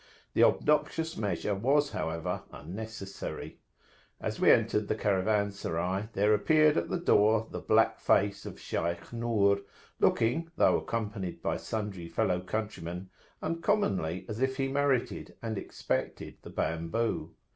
The obnoxious measure was, however, unnecessary. As we entered the Caravanserai, there appeared at the door the black face of Shaykh Nur, looking, though accompanied by sundry fellow countrymen, uncommonly as if he merited and expected the bamboo.